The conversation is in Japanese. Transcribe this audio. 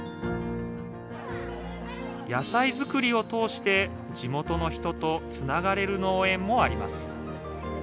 野菜作りを通して地元の人とつながれる農園もあります